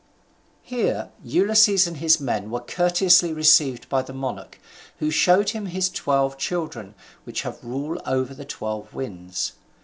Here Ulysses and his men were courteously received by the monarch, who showed him his twelve children which have rule over the twelve winds.